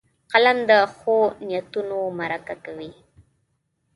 قلم د ښو نیتونو مرکه کوي